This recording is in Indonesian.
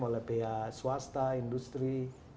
oleh pihak swasta industri